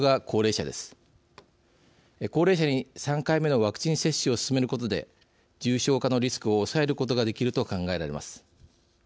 高齢者に３回目のワクチン接種を進めることで重症化のリスクを抑えることができると考えられます。